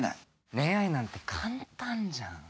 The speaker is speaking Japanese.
恋愛なんて簡単じゃん。